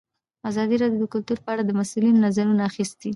ازادي راډیو د کلتور په اړه د مسؤلینو نظرونه اخیستي.